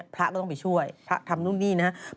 พระก็ต้องไปช่วยพระทำนู่นนี่นะครับ